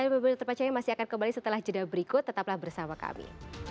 layar pemilu terpercaya masih akan kembali setelah jeda berikut tetaplah bersama kami